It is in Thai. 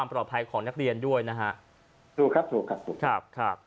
ปลอบภัยของนักเรียนด้วยนะฮะสูงครับค่ะสูงครับครับครับ